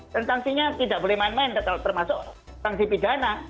dan sanksinya tidak boleh main main termasuk sanksi pidana